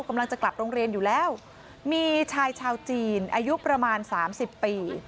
กำลังจะกลับโรงเรียนอยู่แล้วมีชายชาวจีนอายุประมาณสามสิบปี